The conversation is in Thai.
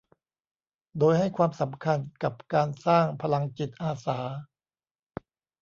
โดยให้ความสำคัญกับการสร้างพลังจิตอาสา